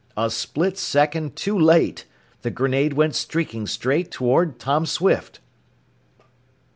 A split second too late! The grenade went streaking straight toward Tom Swift!